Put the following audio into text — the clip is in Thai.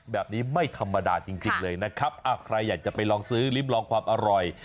แบบนี้ไม่ธรรมดาจริงเลยนะครับใครอยากจะไปลองซื้อลิ้มลองความอร่อย